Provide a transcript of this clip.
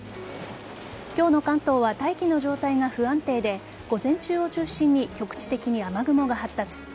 今日の関東は大気の状態が不安定で午前中を中心に局地的に雨雲が発達。